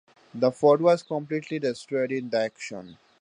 The fort was completely destroyed in the action.